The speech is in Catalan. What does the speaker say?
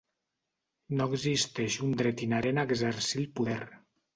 No existeix un dret inherent a exercir el poder.